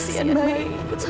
saya akan menangkan dia